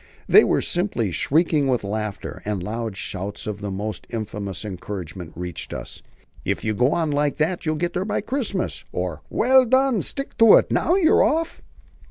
They were simply shrieking with laughter, and loud shouts of the most infamous encouragement reached us. "If you go on like that, you'll get there by Christmas," or, "Well done! stick to it. Now you're off."